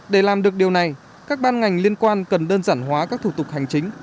để làm được điều này các ban ngành liên quan cần đơn giản hóa các thủ tục hành chính